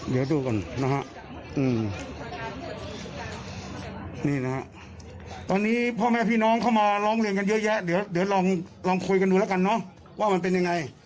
เดี๋ยวดูก่อนนะฮะนี่นะฮะตอนนี้พ่อแม่พี่น้องเข้ามาร้องเรียนกันเยอะแยะเดี๋ยวลองคุยกันดูแล้วกันเนอะว่ามันเป็นยังไง